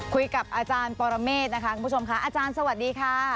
คุยกับอาจารย์ปรเมฆนะคะคุณผู้ชมค่ะอาจารย์สวัสดีค่ะ